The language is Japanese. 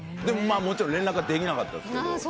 でももちろん連絡はできなかったっすけど。